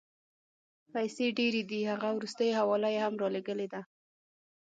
پیسې ډېرې دي، هغه وروستۍ حواله یې هم رالېږلې ده.